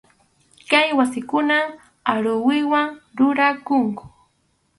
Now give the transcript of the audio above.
Kay wasikunan aruwiwan rurakunku.